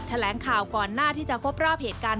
แถลงข่าวก่อนหน้าที่จะครบรอบเหตุการณ์